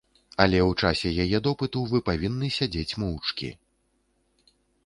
Але ў часе яе допыту вы павінны сядзець моўчкі.